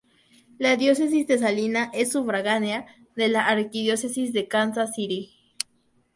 La Diócesis de Salina es sufragánea de la Arquidiócesis de Kansas City.